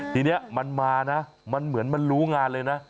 ทีนี้มันมานะมันเหมือนมันรู้งานเลยนะ